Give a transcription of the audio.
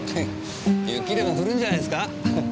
雪でも降るんじゃないすか？